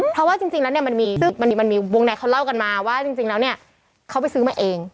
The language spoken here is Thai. เพราะว่าจริงแล้วเนี่ยมันมีวงในเขาเล่ากันมาว่าจริงแล้วเนี่ยเขาไปซื้อมาเอง